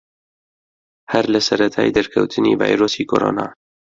هەر لە سەرەتای دەرکەوتنی ڤایرۆسی کۆرۆنا